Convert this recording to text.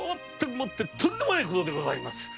とんでもないことでございます！